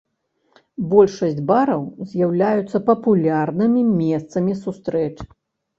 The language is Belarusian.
Большасць бараў з'яўляюцца папулярнымі месцамі сустрэч.